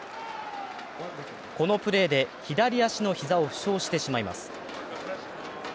このプレーで左足の膝を負傷してしまいます。